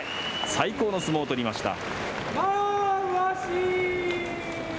最高の相撲を取りました。